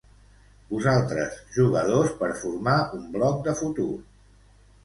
Vosaltres, jugadors per formar un bloc de futur.